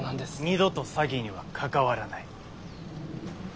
二度と詐欺には関わらない。